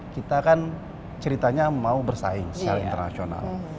kita kan ceritanya mau bersaing secara internasional